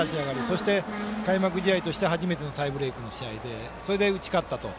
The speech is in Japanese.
そして、開幕試合として初めてのタイブレークの試合でそれで打ち勝ったと。